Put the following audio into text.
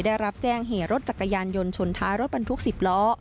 ได้รับแจ้งเหตุรถจักรยานยนต์ชนท้ายรถบรรทุก๑๐ล้อ